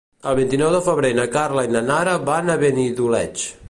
El vint-i-nou de febrer na Carla i na Nara van a Benidoleig.